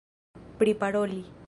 priparoli